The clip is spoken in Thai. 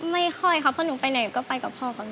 ไม่ค่อยครับเพราะหนูไปไหนก็ไปกับพ่อกับลูก